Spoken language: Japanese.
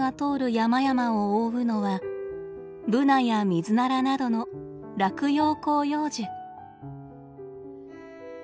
山々を覆うのはブナやミズナラなどの落葉広葉樹。